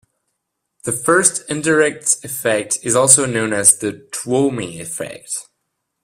The first indirect effect is also known as the Twomey effect.